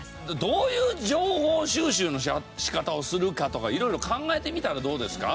どういう情報収集の仕方をするかとか色々考えてみたらどうですか？